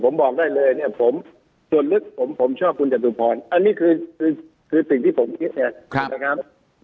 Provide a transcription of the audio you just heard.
ผมบอกได้เลยเนี่ยส่วนลึกผมชอบกุญจัตรุพรอันนี้คือสิ่งที่ผมคิดเนี่ย